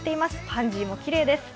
パンジーもきれいです。